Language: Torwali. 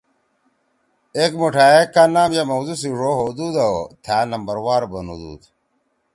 ایک مُوٹھائے کا نام یا موضوع سی ڙو ہؤدُود او تھأ نمبروار بنُودُود۔